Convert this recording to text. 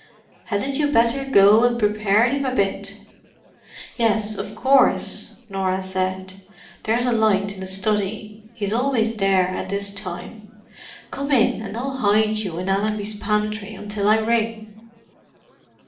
Hadn't you better go and prepare him a bit?" "Yes, of course," Norah said. "There's a light in the study: he's always there at this time. Come in and I'll hide you in Allenby's pantry until I ring."